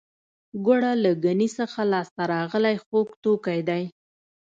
ګوړه له ګني څخه لاسته راغلی خوږ توکی دی